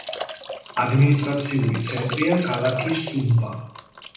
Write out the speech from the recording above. ადმინისტრაციული ცენტრია ქალაქი სუმბა.